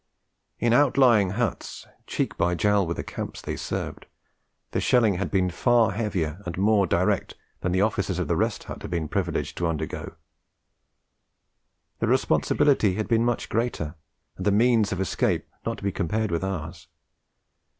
In outlying huts, cheek by jowl with the camps they served, the shelling had been far heavier and more direct than the officers of the Rest Hut had been privileged to undergo; the responsibility had been much greater, and the means of escape not to be compared with ours.